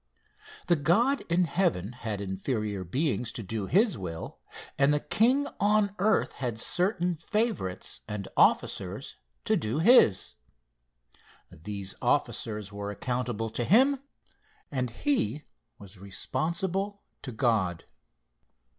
The God in heaven had inferior beings to do his will, and the king on earth had certain favorites and officers to do his. These officers were accountable to him, and he was responsible to God.